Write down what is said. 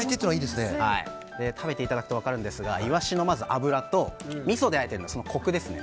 食べていただくと分かるんですがイワシの脂とみそであえているコクですね。